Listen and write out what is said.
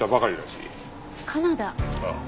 ああ。